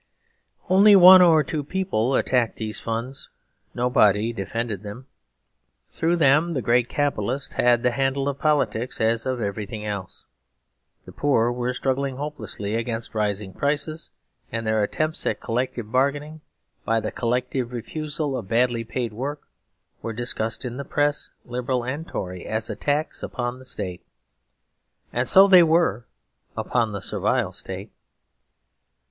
Only one or two people attacked these funds; nobody defended them. Through them the great capitalists had the handle of politics, as of everything else. The poor were struggling hopelessly against rising prices; and their attempts at collective bargaining, by the collective refusal of badly paid work, were discussed in the press, Liberal and Tory, as attacks upon the State. And so they were; upon the Servile State.